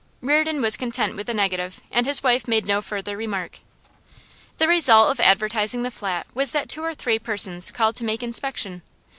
Reardon was content with the negative, and his wife made no further remark. The result of advertising the flat was that two or three persons called to make inspection.